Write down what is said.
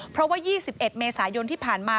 เพราะว่า๒๑เมษายนที่ผ่านมา